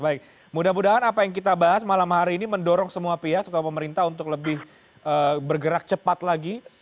baik mudah mudahan apa yang kita bahas malam hari ini mendorong semua pihak terutama pemerintah untuk lebih bergerak cepat lagi